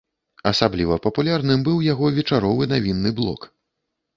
Асабліва папулярным быў яго вечаровы навінны блок.